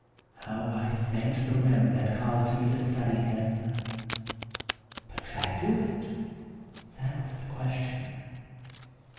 How I thanked the whim that caused me to study him. But could I do it? That was the question.